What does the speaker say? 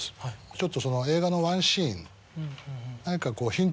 ちょっとその映画のワンシーン何かこう。